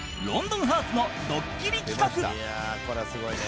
「いやあこれはすごいね」